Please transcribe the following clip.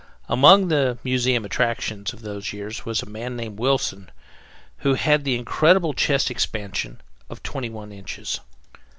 Among the museum attractions of those years was a man named Wilson who had the incredible chest expansion of twenty one inches.